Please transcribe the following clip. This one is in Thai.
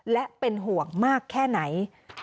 และเป็นห่วงมากแค่ไหน